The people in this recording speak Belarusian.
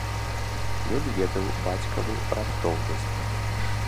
Ён ведаў бацькаву раптоўнасць.